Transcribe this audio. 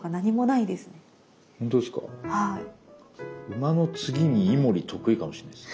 馬の次にイモリ得意かもしんないです。